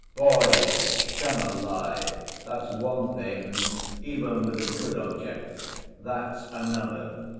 "Boy, shun a lie, that's one thing; even with a good object—that's another.